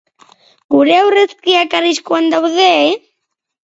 Gure aurrezkiak arriskuan daude?